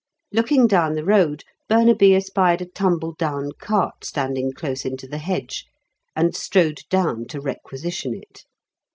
Looking down the road, Burnaby espied a tumble down cart standing close into the hedge, and strode down to requisition it.